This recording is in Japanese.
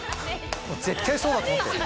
絶対そうだと思ったよね。